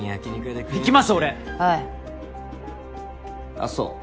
あっそう。